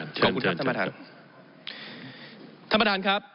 ขอบคุณครับท่านประธานท่านประธานครับ